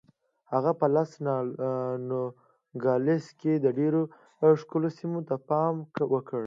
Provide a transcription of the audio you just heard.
هغه په لاس نوګالس کې ډېرو ښکلو سیمو ته پام وکړ.